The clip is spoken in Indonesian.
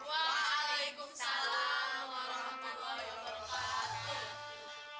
walaikum salam warahmatullahi wabarakatuh